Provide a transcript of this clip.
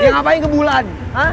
yang ngapain ke bulan